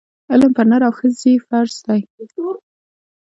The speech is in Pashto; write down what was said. علم پر نر او ښځي فرض دی